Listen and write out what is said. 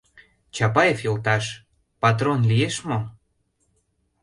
— Чапаев йолташ, патрон лиеш мо?